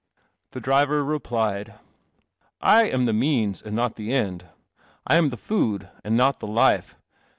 The driver replied, " I am the means and not the end. I am the food and not the life.